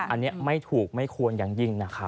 อันนี้ไม่ถูกไม่ควรอย่างยิ่งนะครับ